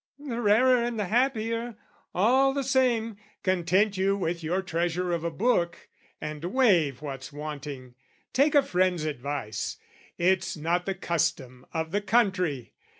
" The rarer and the happier! All the same, "Content you with your treasure of a book, "And waive what's wanting! Take a friend's advice! "It's not the custom of the country.